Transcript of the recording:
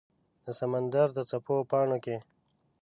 د سمندردڅپو پاڼو کې